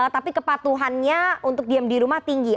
tapi kepatuhannya untuk diam di rumah tinggi